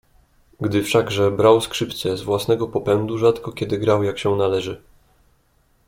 "Gdy wszakże brał skrzypce z własnego popędu rzadko kiedy grał jak się należy."